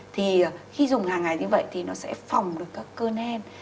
thì khi dùng hàng ngày như vậy thì nó sẽ phòng được các cơn hen